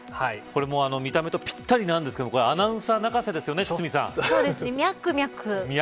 これも見た目とぴったりなんですけどアナウンサー泣かせですね堤さん。